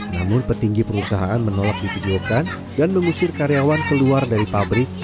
namun petinggi perusahaan menolak divideokan dan mengusir karyawan keluar dari pabrik